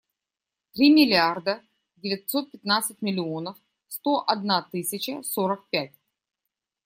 Три миллиарда девятьсот пятнадцать миллионов сто одна тысяча сорок пять.